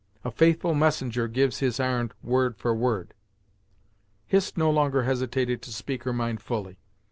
A faithful messenger gives his ar'n'd, word for word." Hist no longer hesitated to speak her mind fully.